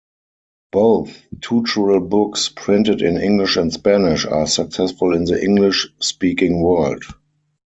Both tutorial books, printed in English and Spanish, are successful in the English-speaking world.